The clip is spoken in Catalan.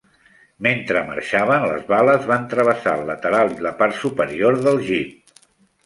Mentre marxaven, les bales van travessar el lateral i la part superior del Jeep.